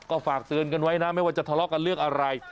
ก็ฝากเตือนกันไว้นะไม่ว่าจะทะเลาะกันเรื่องอะไร